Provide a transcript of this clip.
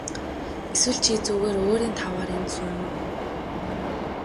Эсвэл чи зүгээр өөрийн тааваар энд сууна уу.